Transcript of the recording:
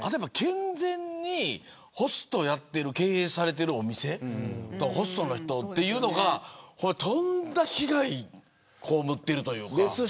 健全にホストをやってる経営しているお店とホストの人というのがとんだ被害を被ってるというか。